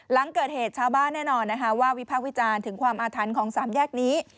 หลังเกิดเหตุชาวบ้านแน่นอนนะคะว่าวิพากษ์วิจารณ์ถึงความอาถรรพ์ของสามแยกนี้